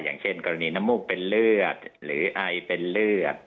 อย่างเช่นกรณีน้ำมูกเป็นเลือดหรือไอเป็นเลือด